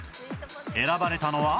選ばれたのは